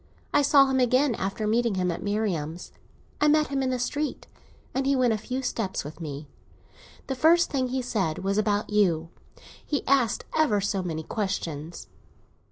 I saw him again, after meeting him at Marian's. I met him in the street, and he went a few steps with me. The first thing he said was about you; he asked ever so many questions.